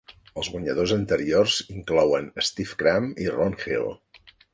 Els guanyadors anteriors inclouen Steve Cram i Ron Hill.